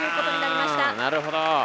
なるほど。